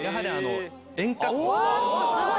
すごい。